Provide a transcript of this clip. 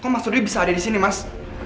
mas dodi kok bisa ada di sini mas